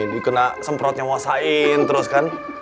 dikena semprotnya muasain terus kan